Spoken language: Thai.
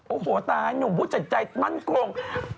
โอ้โฮตายหนุ่มพูดใจมันกลง